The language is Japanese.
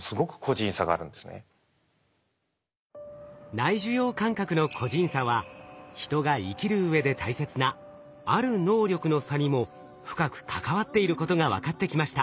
内受容感覚の個人差は人が生きるうえで大切なある能力の差にも深く関わっていることが分かってきました。